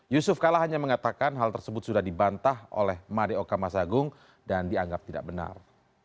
yusuf kala hanya mengatakan hal tersebut sudah dibantah oleh mario kamasagung dan dianggap tidak benar